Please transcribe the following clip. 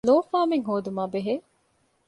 ލޯފާމެއް ހޯދުމާ ބެހޭ